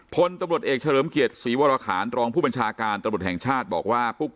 พลตำรวจเอกเฉลิมเกียรติศรีวรคารรองผู้บัญชาการตำรวจแห่งชาติบอกว่า